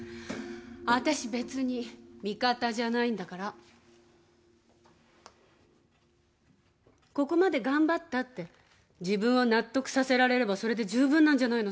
私べつに味方じゃないんだからここまでがんばったって自分を納得させられればそれで十分なんじゃないの？